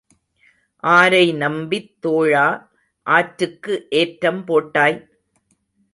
ஆரை நம்பித் தோழா, ஆற்றுக்கு ஏற்றம் போட்டாய்?